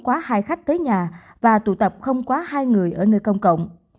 quá hai khách tới nhà và tụ tập không quá hai người ở nơi công cộng